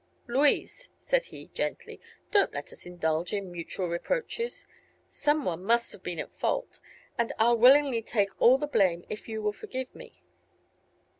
"Louise," said he, gently, "don't let us indulge in mutual reproaches. Some one must have been at fault and I'll willingly take all the blame if you will forgive me.